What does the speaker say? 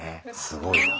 すごいな。